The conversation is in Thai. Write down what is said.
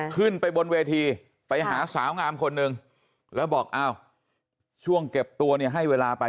ขึ้นไปบนเวทีไปหาสาวงามคนนึงแล้วบอกอ้าวช่วงเก็บตัวเนี่ยให้เวลาไป